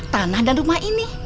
tanah dan rumah ini